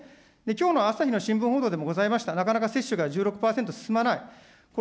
きょうの朝日の新聞報道でもございました、なかなか接種が１６％、進まない。